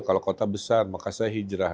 kalau kota besar maka saya hijrah